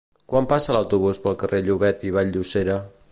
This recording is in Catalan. Quan passa l'autobús pel carrer Llobet i Vall-llosera?